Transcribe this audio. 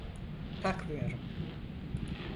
Takmıyorum.